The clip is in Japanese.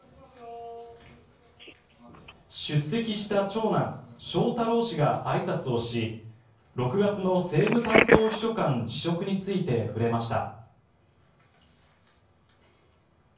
出席した長男・翔太郎氏があいさつをし６月の政務担当秘書官辞職について触れました。